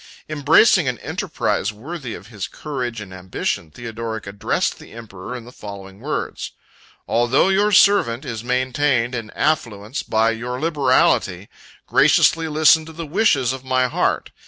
Embracing an enterprise worthy of his courage and ambition, Theodoric addressed the emperor in the following words: "Although your servant is maintained in affluence by your liberality, graciously listen to the wishes of my heart!